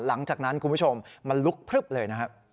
หลังจากนั้นคุณผู้ชมมาลุกพลึบเลย